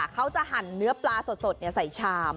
หั่นเนื้อปลาสดใส่ชาม